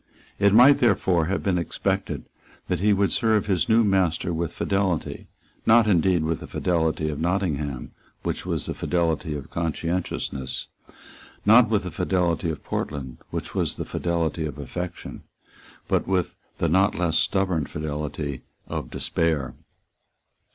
It might therefore have been expected that he would serve his new master with fidelity, not indeed with the fidelity of Nottingham, which was the fidelity of conscientiousness, not with the fidelity of Portland, which was the fidelity of affection, but with the not less stubborn fidelity of despair.